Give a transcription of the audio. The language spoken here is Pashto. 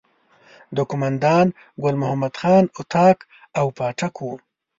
د قوماندان ګل محمد خان اطاق او پاټک وو.